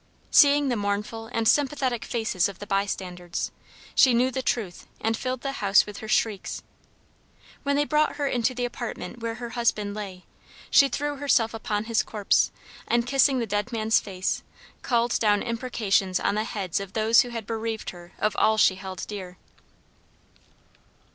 Seeing the mournful and sympathetic faces of the bystanders, she knew the truth and filled the house with her shrieks. When they brought her into the apartment where her husband lay, she threw herself upon his corpse, and kissing the dead man's face, called down imprecations on the heads of those who had bereaved her of all she held dear.